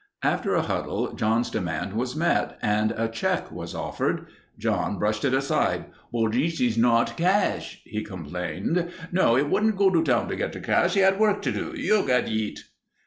After a huddle, John's demand was met and a check offered. John brushed it aside. "But this eez not cash," he complained. No, he wouldn't go to town to get the cash. He had work to do. "You get eet."